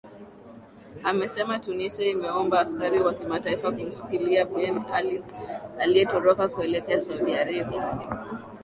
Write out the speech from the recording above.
amesema tunisia imeomba askari wa kimataifa kumsikilia ben ali aliyetoroka kuelekea saudi arabia